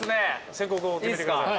先攻後攻決めてください。